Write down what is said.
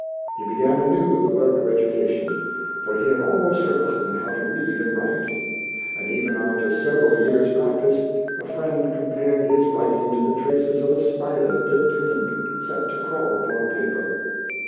He began anew the work of education, for he had almost forgotten how to read and write; and even after several years' practice, a friend compared his writing to the traces of a spider dipped in ink set to crawl upon paper.